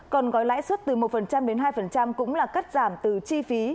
còn gói lãi suất từ một đến hai cũng là cắt giảm từ chi phí